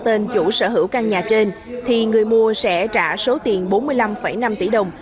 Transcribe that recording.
tên chủ sở hữu căn nhà trên thì người mua sẽ trả số tiền bốn mươi năm năm tỷ đồng